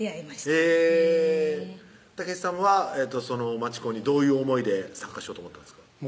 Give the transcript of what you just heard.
へぇ健さんはその街コンにどういう思いで参加しようと思ったんですか？